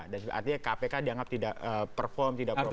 dan artinya kpk dianggap tidak perform tidak profesional